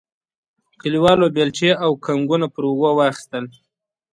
کلیوالو بیلچې او کنګونه پر اوږو واخیستل.